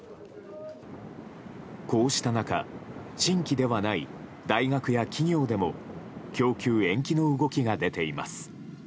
こうした中新規ではない大学や企業でも供給延期の動きが出ています。